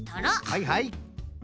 はいはい。